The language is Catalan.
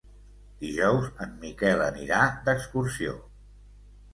Dijous en Miquel anirà d'excursió.